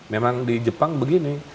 memang di jepang begini